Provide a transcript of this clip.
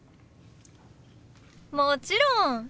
もちろん。